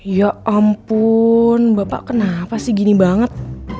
ya ampun bapak kenapa sih gini banget